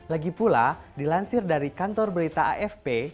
lagi pula dilansir dari kantor berita afp